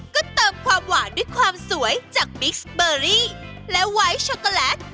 ก็เติมความหวานด้วยความสวยจากบิ๊กซ์เบอรี่และไวท์ช็อกโกแลต